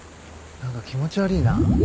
何か気持ち悪いな。